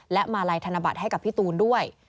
และมาลัยธนบัตรให้กับพี่ตูนด้วย